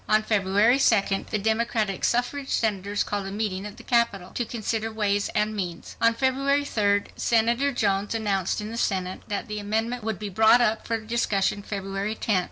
On February 2d, the Democratic Suffrage Senators called a meeting at the Capitol to "consider ways and means." On February 3d, Senator Jones announced in the Senate that the amendment would be brought up for discussion February 10th.